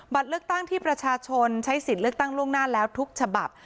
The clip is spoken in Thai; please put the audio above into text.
เลือกตั้งที่ประชาชนใช้สิทธิ์เลือกตั้งล่วงหน้าแล้วทุกฉบับ